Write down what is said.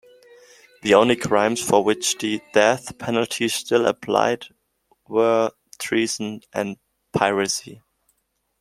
The only crimes for which the death penalty still applied were treason and piracy.